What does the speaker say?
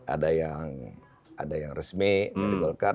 ada yang resmi dari golkar